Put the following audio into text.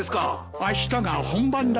あしたが本番だからな。